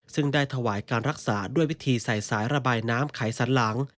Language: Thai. ซึ่งได้ถวายการรักษาด้วยวิธีใส่สายระบายน้ำไขสันหลัง